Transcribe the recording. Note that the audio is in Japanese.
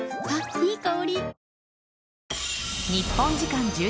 いい香り。